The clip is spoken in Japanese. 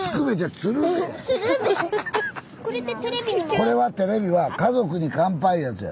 これはテレビは「家族に乾杯」いうやつや。